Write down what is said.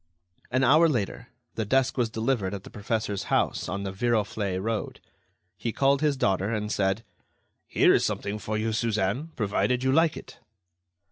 An hour later, the desk was delivered at the professor's house on the Viroflay road. He called his daughter, and said: "Here is something for you, Suzanne, provided you like it."